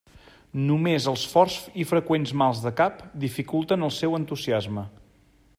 Només els forts i freqüents mals de cap dificulten el seu entusiasme.